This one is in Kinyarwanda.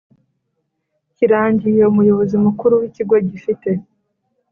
kirangiye Umuyobozi Mukuru w Ikigo gifite